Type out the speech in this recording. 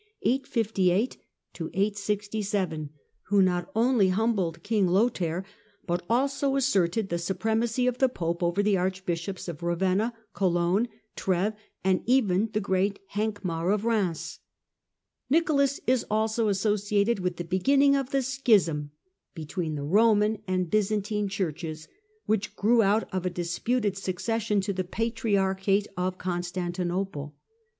(858 867), who not only humbled King Lothair, but also asserted the supremacy of the Pope over the Arch bishops of Ravenna, Cologne, Treves, and even the great Hincmar of Rheims. Nicolas is also associated with the beginning of the schism between the Roman and Byzantine Churches, which grew out of a disputed succession to the patriarchate of Constantinople.